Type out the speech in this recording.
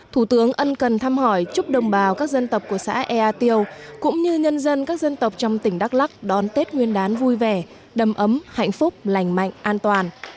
thủ tướng ân cần thăm hỏi chúc đồng bào các dân tộc của xã ea tiêu cũng như nhân dân các dân tộc trong tỉnh đắk lắc đón tết nguyên đán vui vẻ đầm ấm hạnh phúc lành mạnh an toàn